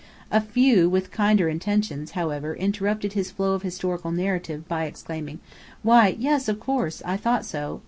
A few with kinder intentions, however, interrupted his flow of historical narrative by exclaiming, "Why, yes, of course!" "I thought so!"